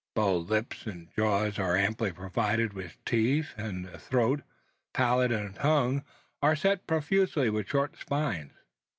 Both lips and jaws are amply provided with teeth; and the throat, palate, and tongue are set profusely with short spines.